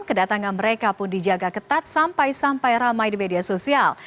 kedatangan mereka pun dijaga ketat sampai sampai ramai di media sosial